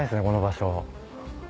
この場所。